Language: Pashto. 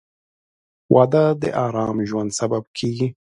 • واده د ارام ژوند سبب کېږي.